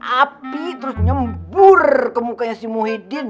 api terus nyembur ke mukanya si muhyiddin